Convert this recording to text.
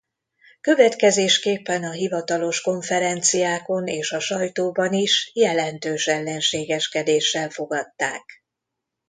Következésképpen a hivatalos konferenciákon és a sajtóban is jelentős ellenségeskedéssel fogadták.